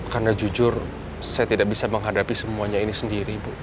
karena jujur saya tidak bisa menghadapi semuanya ini sendiri bu